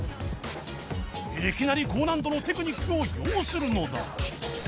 いきなり高難度のテクニックを要するのだ